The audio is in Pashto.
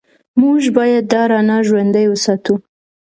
موږ باید دا رڼا ژوندۍ وساتو.